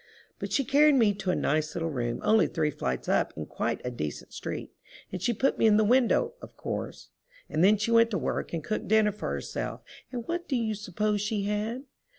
But she carried me to a nice little room only three flights up in quite a decent street. And she put me in the window, of course. And then she went to work and cooked dinner for herself. And what do you suppose she had?